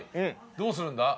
どうするんだ？